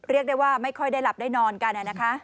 เรียกได้ว่าไม่ค่อยได้หลับได้นอนกันนะคะ